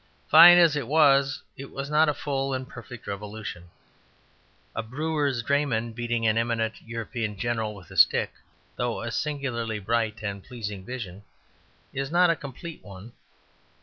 Fine as it was, it was not a full and perfect revolution. A brewer's drayman beating an eminent European General with a stick, though a singularly bright and pleasing vision, is not a complete one.